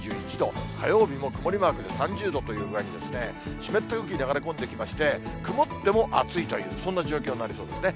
火曜日も曇りマークで３０度という具合に、湿った空気流れ込んできまして、曇っても暑いという、そんな状況になりそうですね。